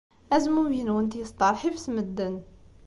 Azmumeg-nwent yesteṛḥib s medden.